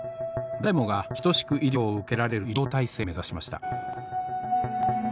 誰もがひとしく医療を受けられる医療体制を目指しました。